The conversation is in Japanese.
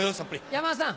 山田さん